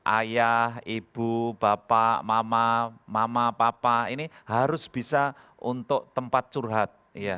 ayah ibu bapak mama papa ini harus bisa untuk tempat curhat